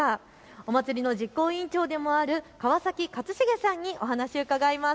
お祭りの実行委員長でもある川崎勝重さんにお話、伺います。